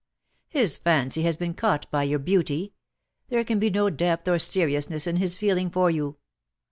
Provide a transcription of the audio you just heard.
His fancy has been caught by your beauty. There can be no depth or seriousness in his feeling for you.